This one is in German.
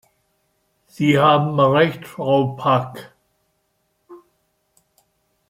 Sie haben recht, Frau Pack.